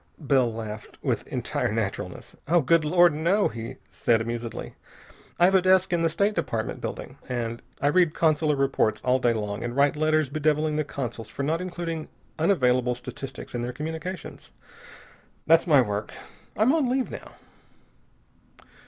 Bell laughed with entire naturalness. "Good Lord, no!" he said amusedly. "I have a desk in the State Department building, and I read consular reports all day long and write letters bedeviling the consuls for not including unavailable statistics in their communications. That's my work. I'm on leave now."